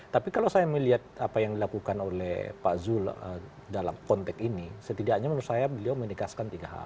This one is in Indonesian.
tapi kalau saya melihat apa yang dilakukan oleh pak zul dalam konteks ini setidaknya menurut saya beliau menegaskan tiga hal